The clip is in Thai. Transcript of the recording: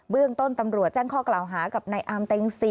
เรื่องต้นตำรวจแจ้งข้อกล่าวหากับนายอามเต็งซี